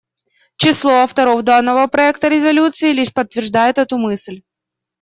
Число авторов данного проекта резолюции лишь подтверждает эту мысль.